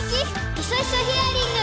ヒソヒソヒアリング！